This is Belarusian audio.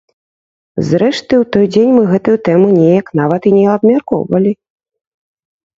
Зрэшты, у той дзень мы гэтую тэму неяк нават і не абмяркоўвалі.